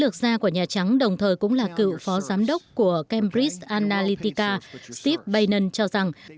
lược ra của nhà trắng đồng thời cũng là cựu phó giám đốc của cambridge analytica steve bannon cho rằng